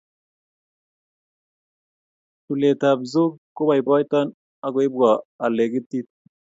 tulet ap zouk kopaipaito akoipwa alekitit